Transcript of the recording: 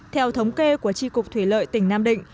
theo thống kê của tri cục thủy lợi tỉnh nam định